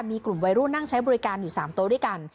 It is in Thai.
มีกลุ่มวัยรุ่นนั่งใช้บริการอยู่๓โต๊ะด้วยกัน